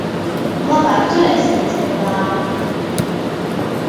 Labāk turēsimies pie plāna.